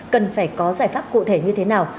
cần phải có giải pháp cụ thể như thế nào